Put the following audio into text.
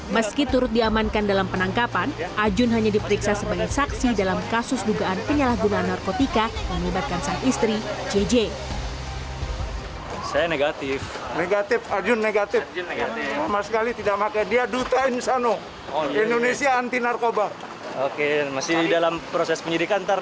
meski turut diamankan dalam penangkapan ajun hanya diperiksa sebagai saksi dalam kasus dugaan penyalahgunaan narkotika yang menyebabkan sang istri jj